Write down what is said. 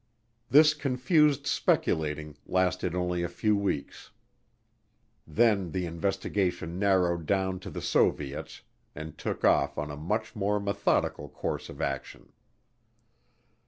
This confused speculating lasted only a few weeks. Then the investigation narrowed down to the Soviets and took off on a much more methodical course of action.